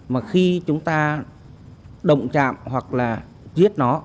mà khi chúng ta động chạm hoặc là giết nó